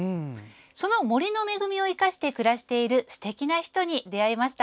その森の恵みを生かして暮らしているすてきな人に出会えました。